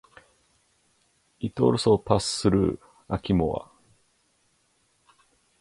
It also passes through Achiemore.